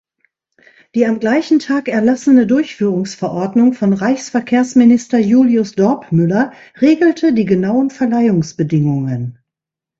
Die am gleichen Tag erlassene Durchführungsverordnung von Reichsverkehrsminister Julius Dorpmüller regelte die genauen Verleihungsbedingungen.